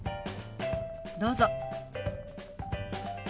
どうぞ。